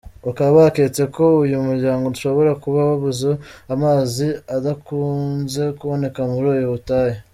Bakaba baketse ko uyu muryango ushobora kuba wabuze amazi adakunze kuboneka muri ubu butayu.